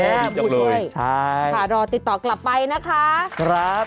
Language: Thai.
ขอบคุณด้วยใช่ค่ะรอติดต่อกลับไปนะคะครับ